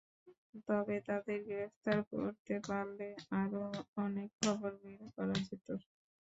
তবে তাঁদের গ্রেপ্তার করতে পারলে আরও অনেক খবর বের করা যেত।